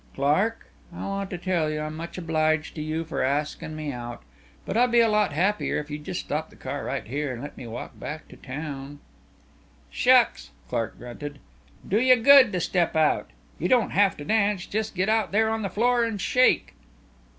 "Clark, I want to tell you I'm much obliged to you for askin' me out, but I'd be a lot happier if you'd just stop the car right here an' let me walk back into town." "Shucks!" Clark grunted. "Do you good to step out. You don't have to dance just get out there on the floor and shake."